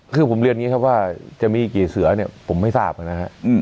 คือผมเรียนอย่างนี้ครับว่าจะมีกี่เสือเนี่ยผมไม่ทราบนะฮะ